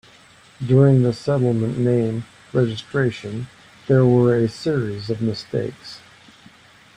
During the settlement name registration there were a series of mistakes.